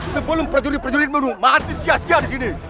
sebelum prajurit prajurit menunggu mati siasya di sini